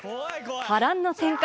波乱の展開